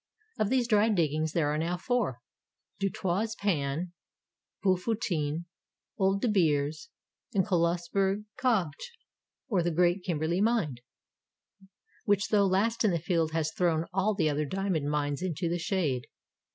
Of these dry diggings there are now four, Du Toit's Pan, Bultfontein, Old De Beers,— and Coles berg Kopje, or the great Kimberley mine, which though last in the Field has thrown all the other diamond mines into the shade.